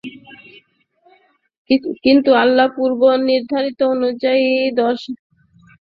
কিন্তু আল্লাহর পূর্ব নির্ধারণ অনুযায়ী তাদের এ দশা হয়েছে, যা বর্ণিত হয়েছে।